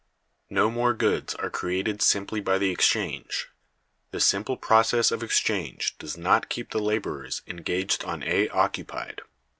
No more goods are created simply by the exchange; the simple process of exchange does not keep the laborers engaged on A occupied.